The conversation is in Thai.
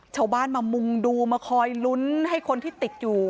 ชาวบ้านมามุงดูมาคอยลุ้นให้คนที่ติดอยู่